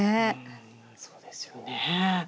そうですよね。